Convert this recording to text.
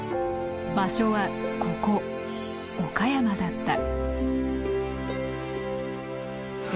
場所はここ岡山だった。